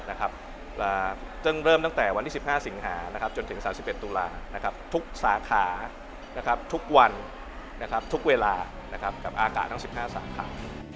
ซึ่งเริ่มตั้งแต่วันที่๑๕สิงหาจนถึง๓๑ตุลาทุกสาขาทุกวันทุกเวลากับอากาศทั้ง๑๕สาขา